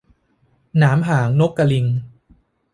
หนามหางนกกะลิง